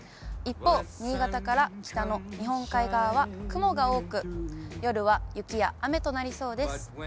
一方、新潟から北の日本海側は雲が多く、夜は雪や雨となりそうです。